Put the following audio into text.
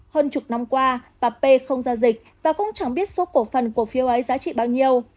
hơn chục năm qua bà p không giao dịch và cũng chẳng biết số cổ phần cổ phiếu ấy giá trị bao nhiêu